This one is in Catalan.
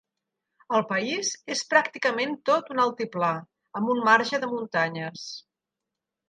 El país és pràcticament tot un altiplà amb un marge de muntanyes.